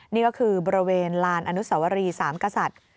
นี่ก็คือบริเวณลานอนุสวรีสามกษัตริย์